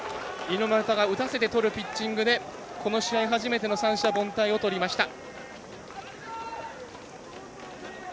猪俣が打たせてとるピッチングでこの試合、初めての三者凡退をとりました。